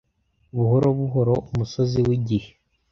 Buhoro buhoro Umusozi wigihe,